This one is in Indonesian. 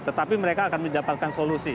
tetapi mereka akan mendapatkan solusi